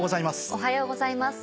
おはようございます。